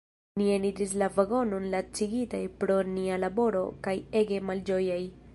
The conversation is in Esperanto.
Ni eniris la vagonon lacigitaj pro nia laboro kaj ege malĝojaj.